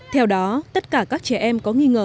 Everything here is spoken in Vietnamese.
theo đó tất cả các trẻ em có nghi ngờ